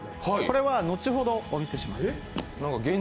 これは後ほどお見せします。